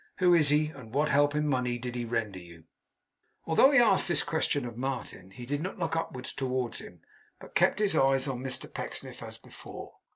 Who is he? And what help in money did he render you?' Although he asked this question of Martin, he did not look towards him, but kept his eyes on Mr Pecksniff as before.